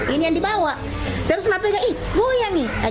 ini yang dibawa terus nampaknya ih gue yang nih